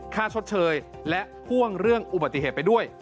ชดเชยและห่วงเรื่องอุบัติเหตุไปด้วย